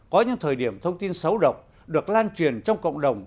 có những thời điểm thông tin xấu độc được lan truyền trong cộng đồng